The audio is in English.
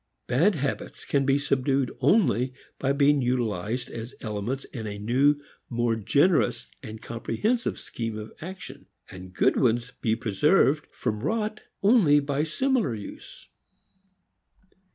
Bad habits can be subdued only by being utilized as elements in a new, more generous and comprehensive scheme of action, and good ones be preserved from rot only by similar use.